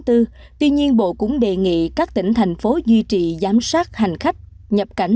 tuy nhiên bộ cũng đề nghị các tỉnh thành phố duy trì giám sát hành khách nhập cảnh